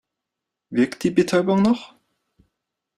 Wirkt die Betäubung noch?